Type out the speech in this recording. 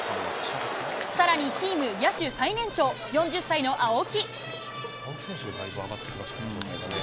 さらに、チーム野手最年長、４０歳の青木。